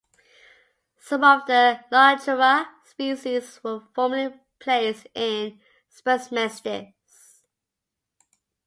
Some of the "Lonchura" species were formerly placed in "Spermestes".